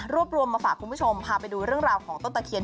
รวมมาฝากคุณผู้ชมพาไปดูเรื่องราวของต้นตะเคียน